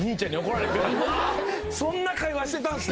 そんな会話してたんですか